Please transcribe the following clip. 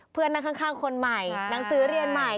เพื่อนนั่งข้างคนใหม่หนังสือเรียนใหม่